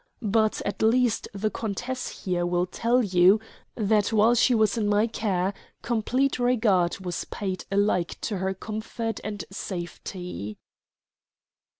But at least the countess here will tell you that while she was in my care complete regard was paid alike to her comfort and safety."